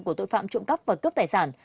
của tội phạm trụng cấp và cướp tài sản